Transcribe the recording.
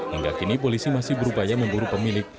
hingga kini polisi masih berupaya memburu pemilik